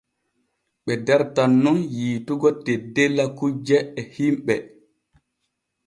Ɓe dartan nun yiitugo teddella kujje e himɓe.